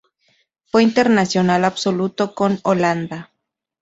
Fue internacional absoluto con Holanda.